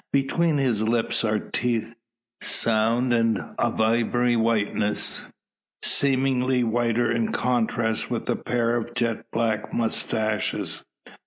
Between his lips are teeth, sound and of ivory whiteness, seeming whiter in contrast with a pair of jet black moustaches.